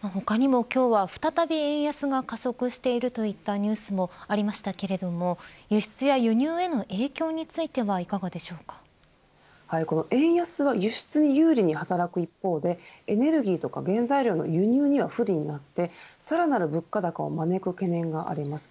他にも今日は再び円安が加速しているといったニュースもありましたけれども輸出や輸入への影響については円安は輸出に有利に働く一方でエネルギーとか原材料の輸入には不利になってさらなる物価高を招く懸念があります。